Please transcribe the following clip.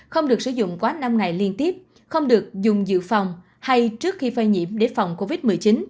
không được sử dụng quá năm ngày liên tiếp không được dùng dự phòng hay trước khi phai nhiễm để phòng covid một mươi chín